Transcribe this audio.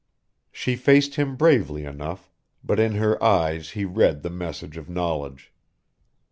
She faced him bravely enough, but in her eyes he read the message of knowledge.